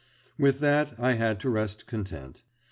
With that I had to rest content.